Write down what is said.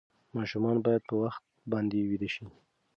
ماشومان باید په وخت باندې ویده شي.